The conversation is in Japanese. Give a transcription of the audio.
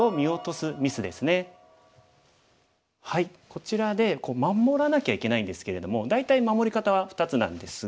こちらで守らなきゃいけないんですけれども大体守り方は２つなんですが。